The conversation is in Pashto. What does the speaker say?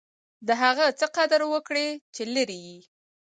د هغه څه قدر وکړئ، چي لرى يې.